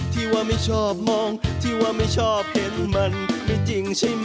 ที่ว่าไม่ชอบมองที่ว่าไม่ชอบเห็นมันไม่จริงใช่ไหม